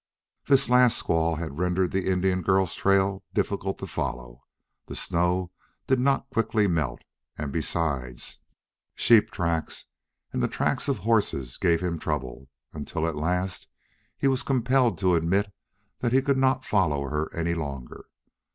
This last squall had rendered the Indian girl's trail difficult to follow. The snow did not quickly melt, and, besides, sheep tracks and the tracks of horses gave him trouble, until at last he was compelled to admit that he could not follow her any longer.